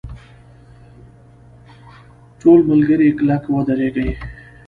ټول ملګري کلک ودرېږئ!.